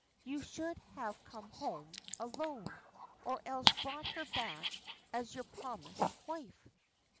You should have come home alone, or else brought her back as your promised wife."